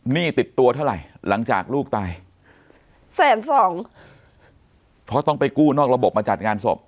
ติดตัวเท่าไหร่หลังจากลูกตายแสนสองเพราะต้องไปกู้นอกระบบมาจัดงานศพ